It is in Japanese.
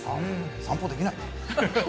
散歩できない？